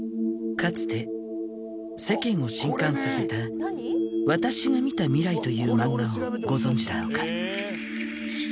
かつて世間を震かんさせた「私が見た未来」という漫画をご存じだろうか？